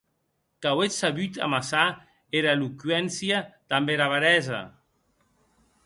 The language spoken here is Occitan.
Qu’auetz sabut amassar era eloqüéncia damb era beresa!